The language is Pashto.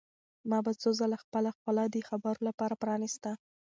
ما به څو ځله خپله خوله د خبرو لپاره پرانیسته.